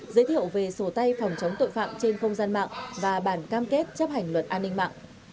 giới thiệu về sổ tay phòng chống tội phạm trên không gian mạng và bản cam kết chấp hành luật an ninh mạng